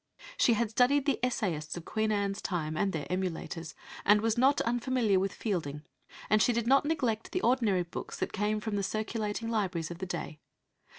She had studied the essayists of Queen Anne's time and their emulators, and was not unfamiliar with Fielding, and she did not neglect the ordinary books that came from the circulating libraries of the day.